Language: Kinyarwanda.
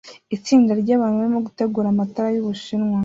Itsinda ryabantu barimo gutegura amatara yubushinwa